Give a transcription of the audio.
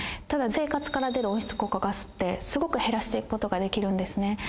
ただ生活から出る温室効果ガスってすごく減らしていくことができるんですね。